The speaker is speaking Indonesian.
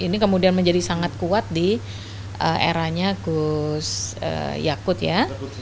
ini kemudian menjadi sangat kuat di eranya gus yakut ya